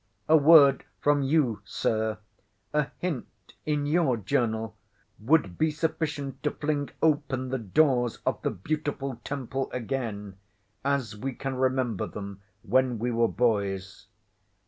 A word from you, Sir—a hint in your Journal—would be sufficient to fling open the doors of the Beautiful Temple again, as we can remember them when we were boys.